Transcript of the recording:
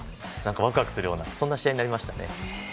ワクワクするような試合になりましたね。